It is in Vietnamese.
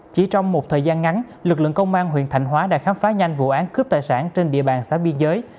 chỉ trong một thời gian ngắn lực lượng công an huyện thạnh hóa đã khám phá nhanh vụ án cướp tài sản trên địa bàn xã biên giới